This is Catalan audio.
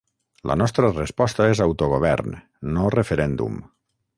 La nostra resposta és autogovern, no referèndum.